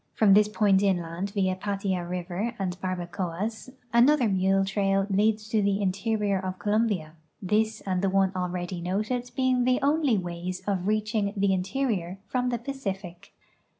From this point in land via Patia river and Barbacoas another mule trail leads to the interior of Colombia, this and the one already noted being the only ways of reaching the interior from the Pacific.